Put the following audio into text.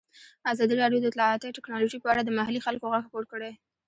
ازادي راډیو د اطلاعاتی تکنالوژي په اړه د محلي خلکو غږ خپور کړی.